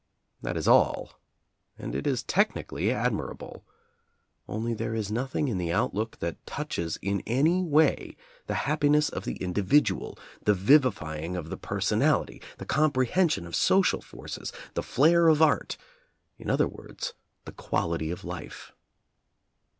That is all, and it is technically admirable. Only there is nothing in the outlook that touches in any way the happiness of the individual, the vivifying of the personality, the comprehension of social forces, the flair of art, — in other words, the quality of life.